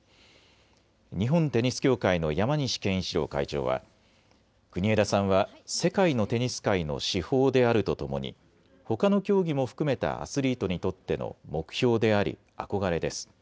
日本テニス協会の山西健一郎会長は国枝さんは世界のテニス界の至宝であるとともにほかの競技も含めたアスリートにとっての目標であり憧れです。